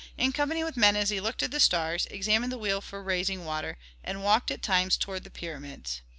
In company with Menes he looked at the stars, examined the wheel for raising water, and walked at times toward the pyramids.